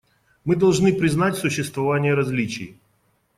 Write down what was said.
Мы должны признать существование различий.